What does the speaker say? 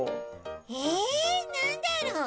えなんだろう？